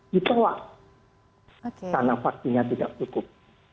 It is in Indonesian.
ditolak karena vaksinnya tidak cukup